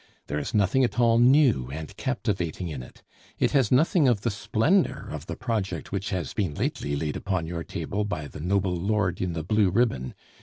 There is nothing at all new and captivating in it. It has nothing of the splendor of the project which has been lately laid upon your table by the noble lord in the blue ribbon.